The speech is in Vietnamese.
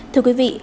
thưa quý vị